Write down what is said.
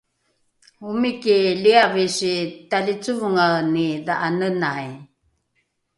omiki liavisi talicovongaeni dha’anenai